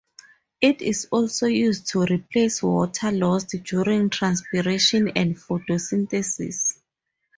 It is also used to replace water lost during transpiration and photosynthesis.